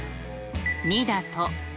２だと。